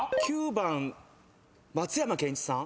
９番「松山ケンイチさん」